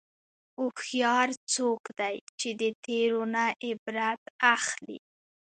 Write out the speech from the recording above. هوښیار څوک دی چې د تېرو نه عبرت اخلي.